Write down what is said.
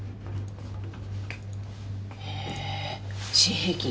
へえ新兵器？